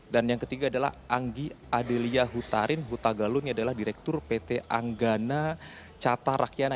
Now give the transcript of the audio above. dan yang ketiga adalah anggi adelia hutarin hutagalun ini adalah direktur pt anggana cata rakyana